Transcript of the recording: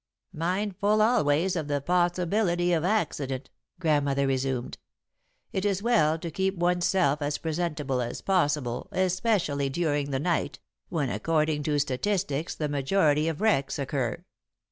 "'Mindful always of the possibility of accident,'" Grandmother resumed, "'it is well to keep one's self as presentable as possible, especially during the night, when according to statistics the majority of wrecks occur.